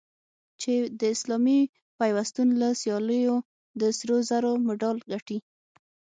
چې د اسلامي پیوستون له سیالیو د سرو زرو مډال ګټي